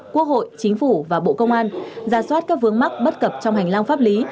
quốc hội chính phủ và bộ công an ra soát các vướng mắc bất cập trong hành lang pháp lý